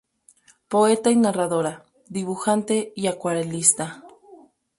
Poeta y narradora, dibujante y acuarelista.